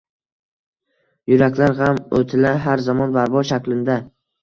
Yuraklar gʻam oʻtila har zamon barbod shaklinda